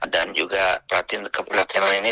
dan juga keberhatianan ini